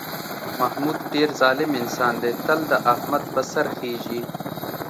محمود ډېر ظالم انسان دی، تل د احمد په سر خېژي.